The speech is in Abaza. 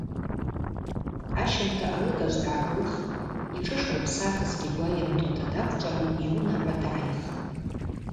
Ащымта алыгажв дгӏагылхтӏ, йтшы шырпсахызгьи гвы айымтуата даквчӏван йунагӏва дгӏайхтӏ.